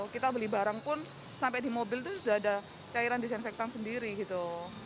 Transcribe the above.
kita beli barang pun sampai di mobil itu sudah ada cairan disinfektan sendiri gitu